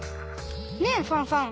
ねえファンファン。